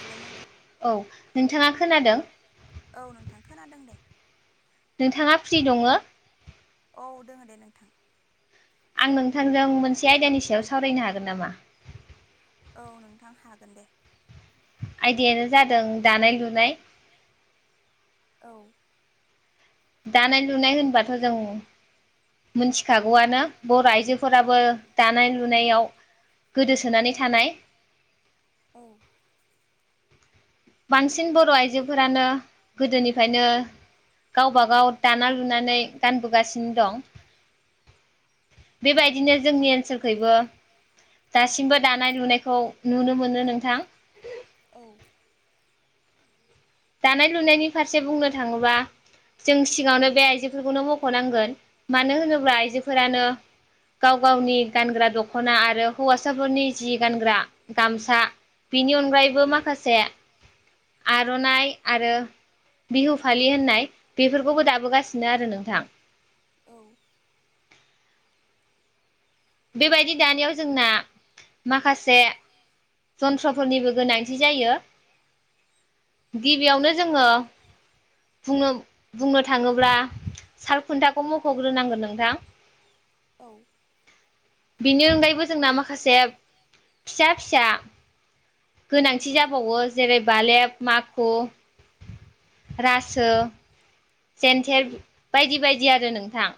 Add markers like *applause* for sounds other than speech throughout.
हेल' नोंथां। औ नोंथाङा खोनादों। औ नोंथां खोनादों दे। नोंथाङा फ्रि दङ? औ दोंडो़ दे नोंथां आं नोंथांजों मोनसे आयदानि सायाव सावरायनो हागोन नामा औ नोंथां हागोन दे। आयदायानो जादों दानाय लुनाय औ। दानाय लुनाय होनबाथ' जों मिथिखागौआनो बर' आइजोफोराबो दानाय लुनायाव गोदोसोनानै थानाय औ। बांसिन बर' आइजोफोरानो गोदोनिफ्रायनो गावबागाव दाना लुनानै गानबोगासिनो दं बेबायदिनो जोंनि ओनसोलखैबो दासिमबो दानाय लुनायखौ नुनो मोनो नोंथां औ दानाय लुनायनि फारसे बुंनो थाङोबा जों सिगाङावनो बे आइजोफोरखौनो मख'नांगोन मानो होनोब्ला आइजोफोरानो गाव गावनि गानग्रा दख'ना आरो हौवासाफोरनि जि गानग्रा गामसा बिनि अनगायैबो माखासे आर'नाइ आरो बिहु फालि होननाय बेफोरखौबो दाबोगासिनो आरो नोंथां *inaudible* बेबायदि दानियाव जोंना माखासे जन्त्रफोरनिबो गोनांथि जायो गिबियावनो जोङो बुंनो बुंनो थाङोब्ला सालखुन्थाखौ मख'ग्रोनांगोन नोंथां औ। बिनि अनगायैबो जोंना माखासे फिसा फिसा गोनांथि जाबावो जेरै बालेब माखु रासो। जेनथेर बायदि बायदि आरो नोंथां।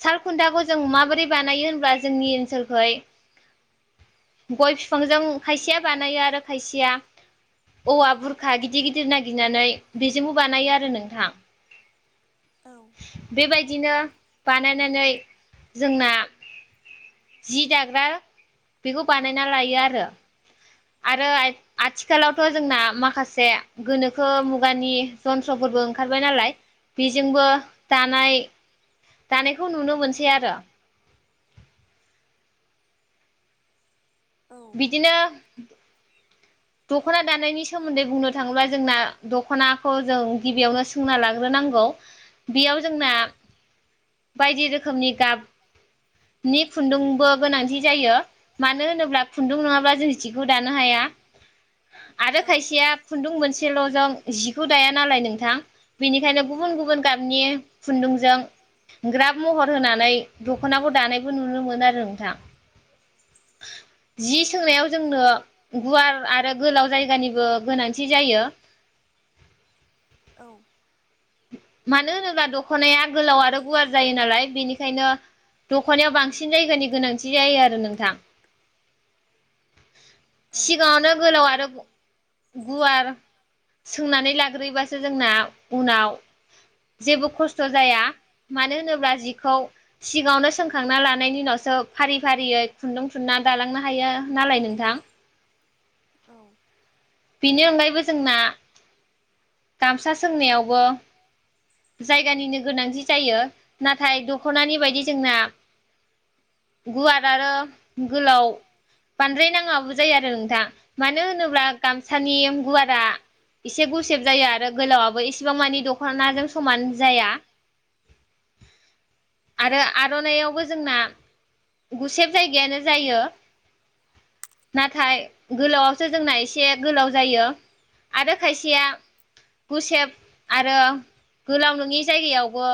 सालखुन्थाखौ जों माबोरै बानायो होनब्ला जोंनि ओनसोलखै गय बिफांजों खायसेया बानायो आरो खायसेया। औवा बुरखा गिदिर गिदिर नागिरनानै बेजोंबो बानायो आरो नोंथां। बेबायदिनो बानायनानै जोंना। जि दाग्रा बेखौ बानायना लायो आरो। आरो आथिखालावथ' जोंना माखासे गोनोखो मुगानि जन्थ्रफोरबो ओंखारबाय नालाय बेजोंबो दानाय दानायखौ नुनो मोनसै आरो। बिदिनो दख'ना दानायनि सोमोन्दै बुंनो थाङोब्ला जोंना दख'नाखौ जों गिबियावनो सोंना लाग्रोनांगौ। बेयाव जोंना बायदि रोखोमनि गाब नि खुन्दुंबो गोनांथि जायो मानो होनोब्ला खुन्दुं नङाब्ला जों जिखौ दानो हाया। आरो खायसेया खुन्दुं मोनसेल'जों जिखौ दाया नालाय नोंथां। बेनिखायनो गुबुन गुबुन गाबनि खुन्दुंजों ग्राफ महर होनानै दख'नाखौ दानायबो नुनो मोनो आरो नोंथां। जि सोंनायाव जोंनो गुवार आरो गोलाव जायगानिबो गोनांथि जायो। औ। मानो होनोब्ला दख'नाया गोलाव आरो गुवार जायो नालाय बेनिखायनो दख'नायाव बांसिन जायगानि गोनांथि जायो आरो नोंथां। सिगांआवनो गोलाव आरो गुवार सोंनानै लाग्रोयोबासो जोंना उनाव जेबो खस्थ' जाया मानो होनोब्ला जिखौ सिगाङावनो सोंखांना लानायनि उनावसो फारि फारियै खुन्दुं थुनना दालांनो हायो नालाय नोंथां। औ। बेनि अनगायैबो जोंना गामसा सोंनायावबो जायगानिनो गोनांथि जायो नाथाय दख'नानि बायदि जोंना गुवार आरो गोलाव बांद्राय नाङाबो जायो आरो नोंथां मानो होनोब्ला गामसानि गुवारा एसे गुसेब जायो आरो गोलावाबो इसेबां मानि दख'नाजों समान जाया। आरो आर'नाइयावबो जोंना गुसेब जायगायानो जायो। नाथाय गोलावआवसो जोंना एसे गोलाव जायो। आरो खायसेया गुसेब आरो गोलाव नङि जायगायावबो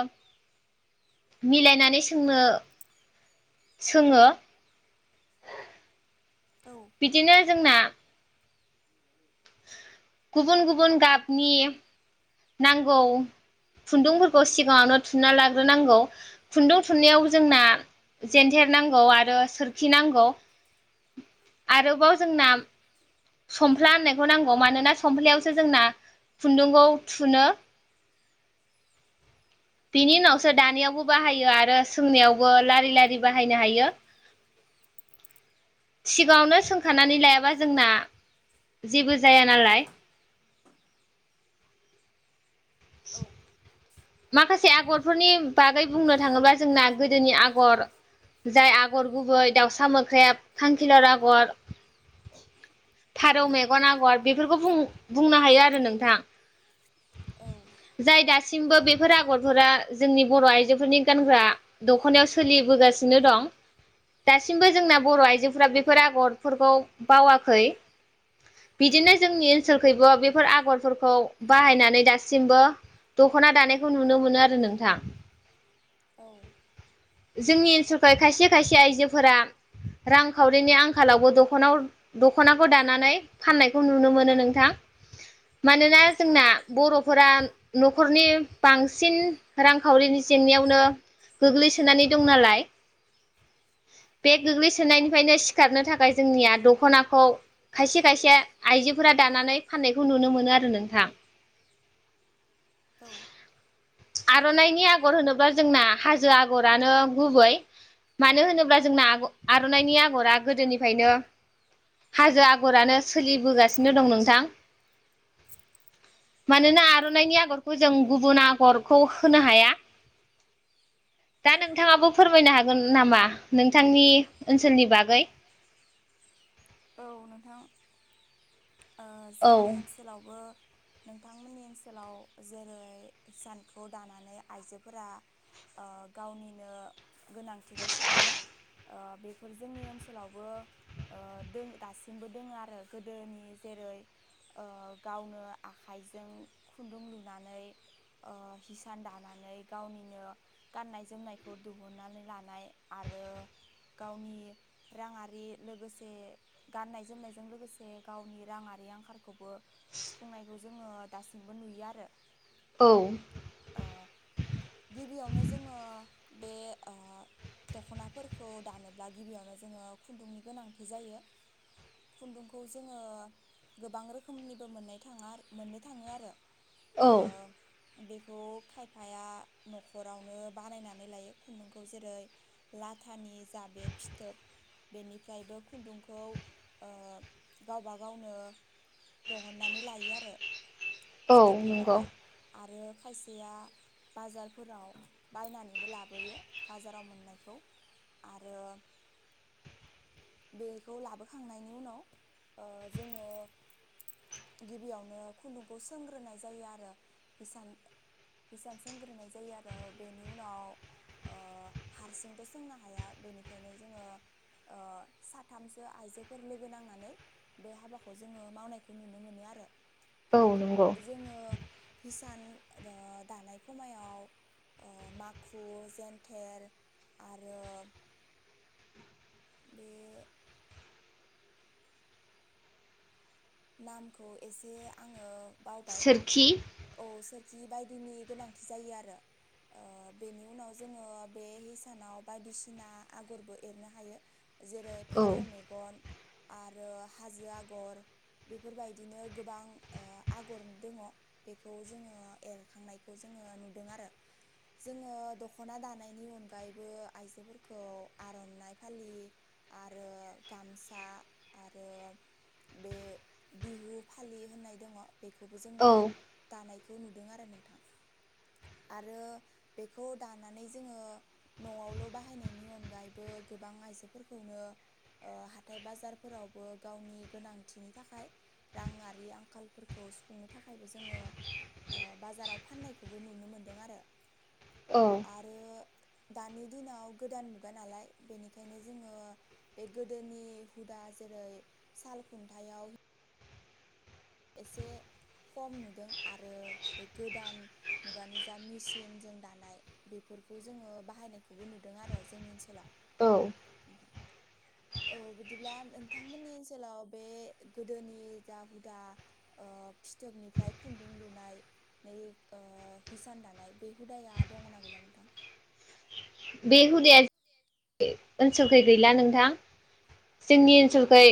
मिलायनानै सोंनो सोङो। बिदिनो जोंना गुबुन गुबुन गाबनि नांगौ खुन्दुंफोरखौ सिगाङावनो थुनना लाग्रोनांगौ खुन्दुं थुननायाव जोंना जेन्थेर नांगौ आरो सोरखि नांगौ। आरोबाव जोंना सफ्ला होननाय खौ नांगौ मानोना सफ्लायावसो जोंना खुन्दुंखौ थुनो। *inaudible* बिनि उनावसो दानायावबो बाहायो आरो सोंनायावबो लारि लारि बाहायनो हायो। सिगाङावनो सोंखानानै लायाबा जोंना जेबो जाया नालाय औ। माखासे आगरफोरनि बागै बुंनो थाङोब्ला जोंना गोदोनि आगर जाय आगर गुबै दाउसा मोख्रेब खांखिलर आगर फारौ मेगन आगर बेफोरखौ बुं बुंनो हायो आरो नोंथां। औ। जाय दासिमबो बे फोर आगरफोरा जोंनि बर'आइजोफोरनि गानग्रा दखनायाव सोलिबोगासिनो दं। दासिमबो जोंना बर आइजोफोरा बेफोर आगरफोरखौ बावाखै। बिदिनो जोंनि ओनसोलखैबो बेफोर आगरफोरखौ बाहायनानै दासिमबो दख'ना दानायखौ नुनो मोनो आरो नोंथां। औ। जोंनि ओनसोलखै खायसे खायसे आइजोफोरा रांखावरिनि आंखालावबो दख'ना दख'नाखौ दानानै फाननायखौ नुनो मोनो नोंथां। मानोना जोंना बर'फोरा न'खरनि बांसिन रांखावरिनि जेंनायावनो गोग्लै सोनानै दं नालाय। बे गोग्लैसोनायनिफायनो सिखारनो थाखाय जोंनिया दख'नाखौ खायसे खायसे आइजोफोरा दानानै फाननायखौ नुनो मोनो आरो नोंथां। औ। आर'नाइनि आगर होनोब्ला जोंना हाजो आगरानो गुबै। मानो होनोब्ला जोंना आग' आर'नाइनि आगरा गोदोनिफायनो हाजो आगरानो सोलिबोगासिनो दं नोंथां। मानोना आर'नाइनि आगरखौ जों गुबुन आगर खौ होनो हाया। दा नोंथाङाबो फोरमायनो हागोन नामा नोंथांनि ओनसोलनि बागै? औ नोंथां ओ जोंनि ओनसोलावबो नोंथांमोननि ओनसोलाव जेरै हिसानखौ दानानै आइजोफोरा ओ गावनिनो गोनांथिखौ सुफुङो। ओ बेफोर जोंनि ओनसोलावबो ओ दोङो दासिमबो दोङो आरो गोदोनि जेरै ओ गावनो आखाइजों खुन्दुं लुनानै ओ हिसान दानानै गावनिनो गाननाय जोमनायखौ दुहुननानै लानाय आरो गावनि राङारि लोगोसे गाननाय जोमनायजों लोगोसे गावनि राङारि आंखारखौबो सुफुंनायखौ जोङो दासिमबो नुयो आरो। औ। ओ गिबियावनो जोङो बे ओ दख'नाफोरखौ दानोब्ला गिबिआवनो जोङो खुन्दुंनि गोनांथि जायो। खुन्दुंखौ जोङो गोबां रोखोमनिबो मोननाय थाङा मोननो थाङो आरो ओ बेखौ खायफाया न'खरावनो बानायनानै लायो खुन्दुंखौ जेरै लाथानि जा बे फिथोब बेनिफ्रायबो खुन्दुंखौ ओ गावबा गावनो दहननानै लायो आरो। फिथोब लुनानै आरो खायसेया बाजारफोराव बायनानैबो लाबोयो बाजाराव मोननायखौ आरो बेखौ लाबोखांनायनि उनाव ओ जोङो गिबियावनो खुनदुंखौ सोंग्रोनाय जायो आरो हिसान हिसान सोंग्रोनाय जायो आरो बेनि उनाव ओ हारसिंथ' सोंनो हाया बेनिखायनो जोङो ओ साथामसो आइजोफोर लोगो नांनानै बे हाबाखौ जोङो मावनायखौ नुनो मोनो आरो। औ नंगौ‌ जोङो हिसान ओ दानाय खमायाव ओ माखु जेन्थेर आरो बे नामखौ एसे आंङो बावबाय। औ सोरखि बायदिनि गोनांथि जायो आरो। ओ बेनि उनाव जोङो बे हिसानाव बायदिसिना आगरबो एरनो हायो। जेरै फारेव मेगन आरो हाजो आगर बेफोरबायदिनो गोबां ओ आगरनि दङ। बेखौ जोङो एरखांनायखौ जोङो नुदों आरो। जोङो दख'ना दानायनि अनगायैबो आइजोफोरखौ आर'नाइ फालि आरो गामसा आरो बे बिहु फालि होननाय दङ बेखौबो जोङो दानायखौ नुदों आरो नोंथां। आरो बेखौ दानानै जोङो न'आवल' बाहायनायनि अनगायैबो गोबां आइजोफोरखौनो ओ हाथाइ बाजारफोरावबो गावनि गोनांथिनि थाखाय राङारि आंखालफोरखौ सुफुंनो थाखायबो जोङो ओ बाजाराव फाननायखौबो नुनो मोनदों आरो। अ आरो दानि दिनाव गोदान मुगा नालाय बेनिखायनो जोङो बे गोदोनि हुदा जेरै साल खुन्थायाव एसे खम नुदों आरो बे गोदान मुगानि जा मिचिनजों दानाय बेफोरखौ जोङो बाहायनायखौबो नुदों आरो जोंनि ओनसोलाव। नोंथां। औ बिदिब्ला नोंथांमोननि ओनसोलाव बे गोदोनि जा हुदा ओ फिथोबनिफ्राय खुन्दुं लुनाय नै ओ हिसान दानाय बे हुदाया दङना गैला नोंथां? बे हुदाया *unintelligible* ओनसोलखै गैला नोंथां। जोंनि ओनसोल खै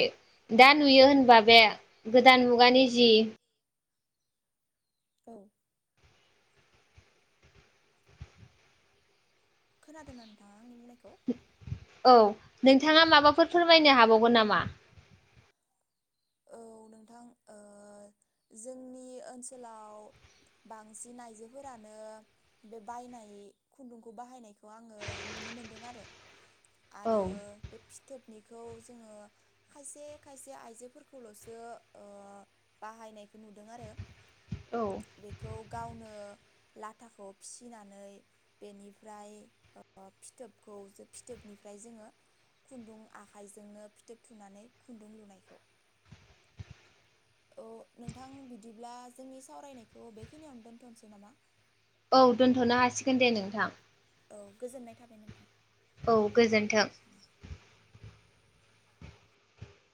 दा नुयो होनबा बे गोदान मुगानि जि औ खोनादोंना नोंथाङा आंनि बुंनायखौ? औ नोंथाङा माबाफोर फोरमायनो हाबावगोन नामा? औ नोंथां ओ जोंनि ओनसोलाव बांसिन आइजोफोरानो बे बायनाय खुन्दुंखौ बाहायनायखौ आङो नुनो मोनदों आरो। आरो बे फिथोबनिखौ जोङो खायसे खायसे आइजोफोर खौ लसो ओ बाहायनायखौ नुदों आरो। बेखौ गावनो लाथाखौ फिसिनानै बेनिफ्राय ओ फिथोबखौ जो फिथोबनिफ्राय जोङो खुन्दुं आखाइजोंनो फिथोब थुनानै खुन्दुं लुनायखौ। औ नोंथां बिदिब्ला जोंनि सावरायनायखौ बेखिनियावनो दोनथ'नोसै नामा? औ दोनथ'नो हासिगोन दे नोंथां। औ गोजोननाय थाबाय नोंथां। औ गोजोन्थों। *unintelligible*